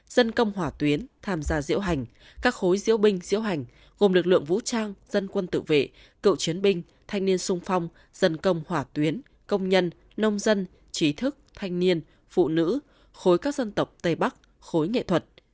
dân công hỏa tuyến tham gia diễu hành các khối diễu binh diễu hành gồm lực lượng vũ trang dân quân tự vệ cựu chiến binh thanh niên sung phong dân công hỏa tuyến công nhân nông dân trí thức thanh niên phụ nữ khối các dân tộc tây bắc khối nghệ thuật